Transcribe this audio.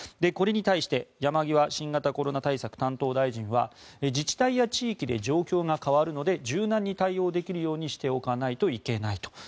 これに対して山際新型コロナ対策担当大臣は自治体や地域で状況が変わるので柔軟に対応できるようにしていかないといけないと。